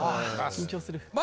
緊張する。